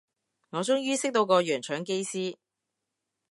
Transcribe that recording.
我終於識到個洋腸機師